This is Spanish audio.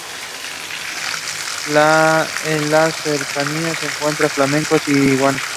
En las cercanías se encuentran flamencos y la Iguana.